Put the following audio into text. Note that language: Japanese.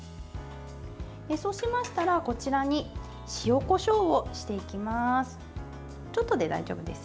そうしましたら、こちらに塩、こしょうをしていきます。